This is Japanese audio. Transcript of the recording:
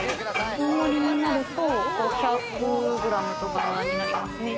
大盛りになると５００グラムとかになりますね。